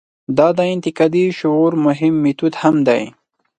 دا د انتقادي شعور مهم میتود هم دی.